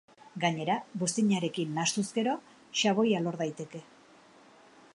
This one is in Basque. Gainera, buztinarekin nahastuz gero, xaboia lor daiteke.